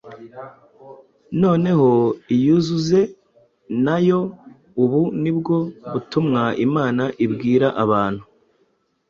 Noneho iyuzuze nayo” ubu nibwo butumwa Imana ibwira abantu